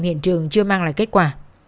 hiện trường chưa mang lại kết quả